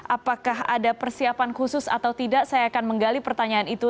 apakah ada persiapan khusus atau tidak saya akan menggali pertanyaan itu